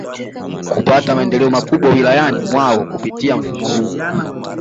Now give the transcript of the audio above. Kupata maendeleo makubwa Wilayani mwao kupitia mfumo huu